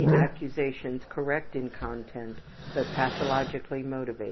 Accusations correct in content, but pathologically motivated.